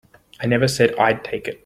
I never said I'd take it.